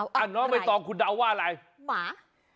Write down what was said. มันไม่ใช่หมา